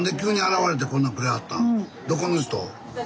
⁉どこの人？